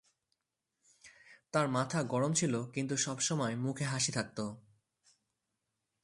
তার মাথা গরম ছিল কিন্তু সবসময় মুখে হাসি থাকত।